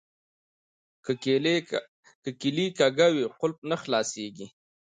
که کیلي کږه وي قلف نه خلاصیږي.